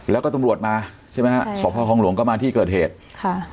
แล้วก็ตำรวจมาใช่ไหมฮะสพคลองหลวงก็มาที่เกิดเหตุค่ะ